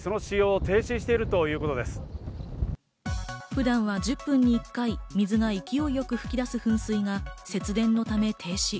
普段は１０分に１回、水が勢いよく噴き出す噴水が節電のため停止。